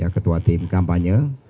ketua tim kampanye